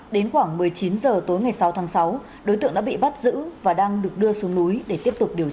đến khoảng một mươi chín h tối ngày sáu tháng sáu đối tượng đã bị bắt giữ và đang được đưa xuống núi để tiếp tục điều tra